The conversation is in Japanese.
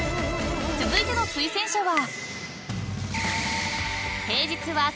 ［続いての推薦者は］